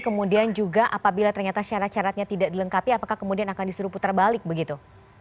kemudian juga apabila ternyata syarat syaratnya tidak dilengkapi apakah kemudian akan disuruh putar balik begitu